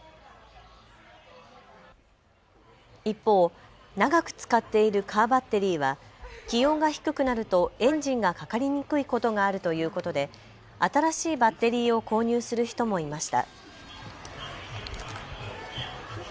一方、長く使っているカーバッテリーは気温が低くなるとエンジンがかかりにくいことがあるということで新しいバッテリーを購入する人もいました。